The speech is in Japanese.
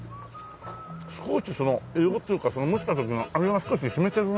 少しその硫黄っていうか蒸した時のあれが少し染みてるな。